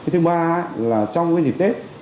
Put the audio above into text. thứ ba là trong cái dịp tết